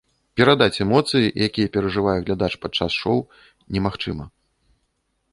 Перадаць эмоцыі, якія перажывае глядач падчас шоў, немагчыма.